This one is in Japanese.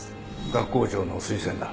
学校長の推薦だ